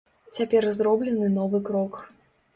Цяпер зроблены новы крок.